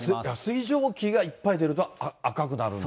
水蒸気がいっぱい出ると赤くなるんだ。